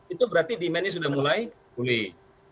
itu berarti demand nya sudah mulai pulih